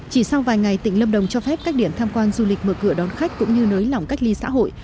chỉ sau vài ngày tỉnh lâm đồng cho phép các điểm tham quan du lịch mở cửa đón khách cũng như nới lỏng cách ly xã hội